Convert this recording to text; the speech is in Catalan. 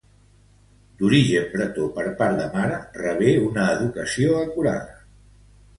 D'origen bretó per part de mare, rebé una educació acurada.